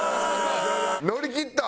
乗り切った？